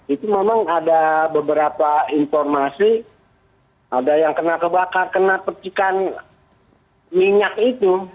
itu memang ada beberapa informasi ada yang kena kebakar kena percikan minyak itu